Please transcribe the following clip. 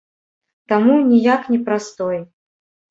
Таму, ніяк не прастой.